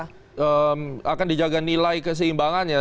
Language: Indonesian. karena akan dijaga nilai keseimbangannya